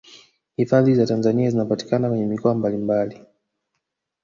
hifadhi za tanzania zinapatikana kwenye mikoa mbalimbali